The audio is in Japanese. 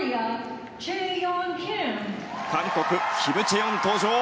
韓国、キム・チェヨン登場。